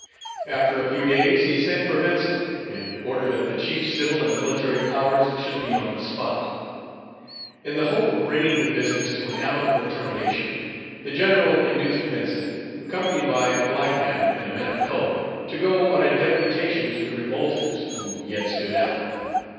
After a few days, he sent for Vincent, in order that the chief civil and military powers should be on the spot. In the hope of bringing the business to an amicable termination, the General induced Vincent, accompanied by a black man and a man of color, to go on a deputation to the revolters, who yet stood out.